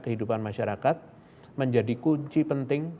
kehidupan masyarakat menjadi kunci penting